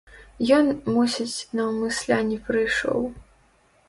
Ён, мусіць, наўмысля не прыйшоў.